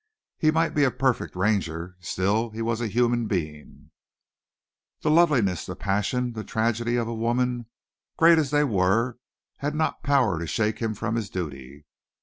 He might be a perfect Ranger; still he was a human being. The loveliness, the passion, the tragedy of a woman, great as they were, had not power to shake him from his duty.